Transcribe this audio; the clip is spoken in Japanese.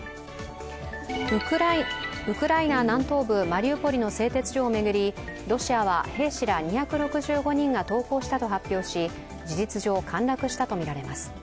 ウクライナ南東部マリウポリの製鉄所を巡り、ロシアは兵士ら２６５人が投降したと発表し、事実上、陥落したとみられます。